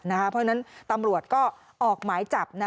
เพราะฉะนั้นตำรวจก็ออกหมายจับ